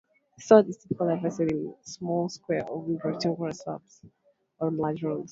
Sod is typically harvested in small square or rectangular slabs, or large rolls.